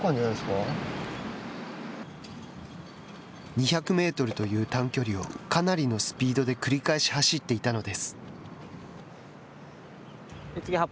２００メートルという短距離をかなりのスピードで繰り返し走っていたのです。